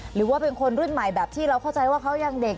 หรือว่าเป็นคนรุ่นใหม่แบบที่เราเข้าใจว่าเขายังเด็ก